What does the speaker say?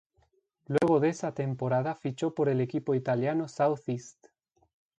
Luego de esa temporada fichó por el equipo italiano Southeast.